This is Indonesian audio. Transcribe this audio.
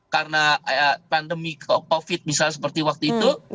karena pandemi covid misal seperti waktu itu